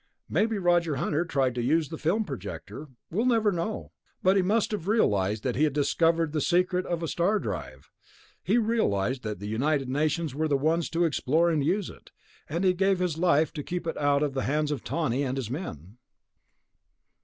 "Maybe Roger Hunter tried to use the film projector. We'll never know. But he must have realized that he had discovered the secret of a star drive. He realized that the United Nations were the ones to explore it and use it, and he gave his life to keep it out of the hands of Tawney and his men...."